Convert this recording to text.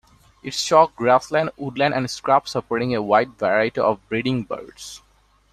Its chalk grassland, woodland and scrub supporting a wide variety of breeding birds.